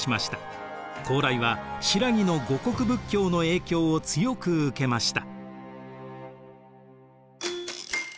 高麗は新羅の護国仏教の影響を強く受けました。